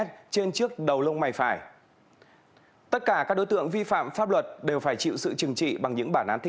trên địa bàn tỉnh